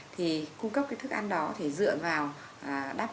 thì cung cấp cái thức ăn đó thì dựa vào đáp ứng